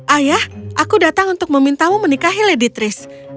ayah aku datang untuk memintamu menikahi lady tris